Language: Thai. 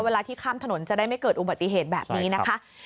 ที่ข้ามถนนจะได้ไม่เกิดอุบัติเหตุแบบนี้นะคะ